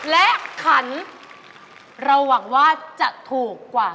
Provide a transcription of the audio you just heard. และขันเราหวังว่าจะถูกกว่า